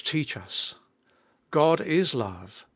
165 teach us. God is love.